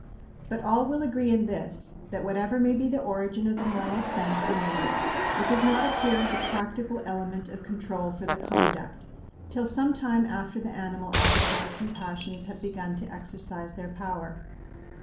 But all will agree in this, that whatever may be the origin of the moral sense in man, it does not appear as a practical element of control for the conduct till some time after the animal appetites and passions have begun to exercise their power.